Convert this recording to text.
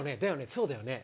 そうだよね？